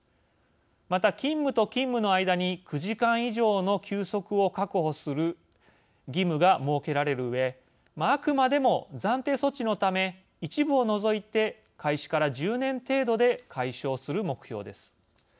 また勤務と勤務の間に９時間以上の休息を確保する義務が設けられるうえあくまでも暫定措置のため一部を除いて、開始から１０年程度で解消する目標です。